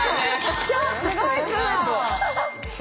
今日すごい素直！